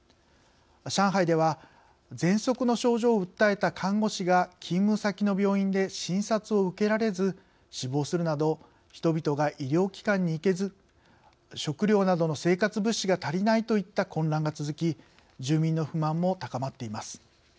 上海では、ぜんそくの症状を訴えた看護師が勤務先の病院で診察を受けられず死亡するなど人々が医療機関に行けず食料などの生活物資が足りないといった混乱が続き住民の不満も高まっています。